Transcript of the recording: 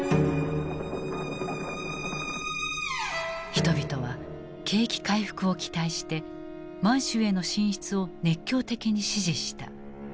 人々は景気回復を期待して満州への進出を熱狂的に支持した。